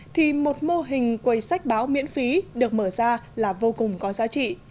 thì một mô hình quầy sách báo miễn phí được mở ra là vô cùng có giá trị